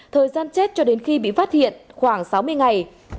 thời gian chết cho đến khi bị phát hiện khoảng sáu mươi ngày